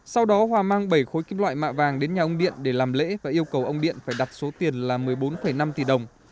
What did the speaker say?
sau đó hòa mang bảy khối kim loại mạ vàng đến nhà ông điện để làm lễ và yêu cầu ông điện phải đặt số tiền là một mươi bốn năm tỷ đồng